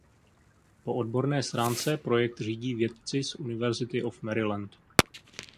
Po odborné stránce projekt řídí vědci z University of Maryland.